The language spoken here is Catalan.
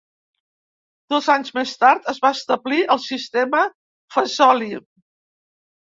Dos anys més tard, es va establir el sistema de Fazoli.